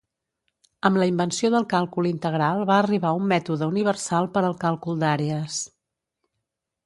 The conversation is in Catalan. Amb la invenció del càlcul integral va arribar un mètode universal per al càlcul d'àrees.